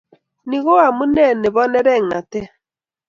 ni ko amune nebo ngeringnotet